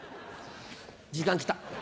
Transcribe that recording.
時間きた。